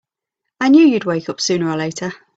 I knew you'd wake up sooner or later!